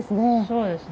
そうですね。